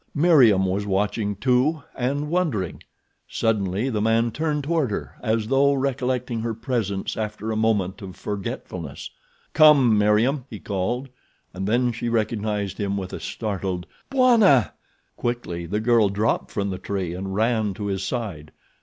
Meriem was watching, too, and wondering. Suddenly the man turned toward her as though recollecting her presence after a moment of forgetfulness. "Come! Meriem," he called, and then she recognized him with a startled: "Bwana!" Quickly the girl dropped from the tree and ran to his side.